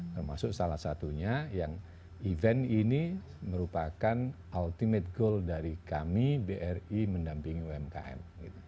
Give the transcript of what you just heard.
termasuk salah satunya yang event ini merupakan ultimate goal dari kami bri mendampingi umkm